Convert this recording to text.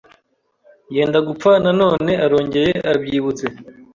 yenda gupfa, na none ....arongeye arabyibutse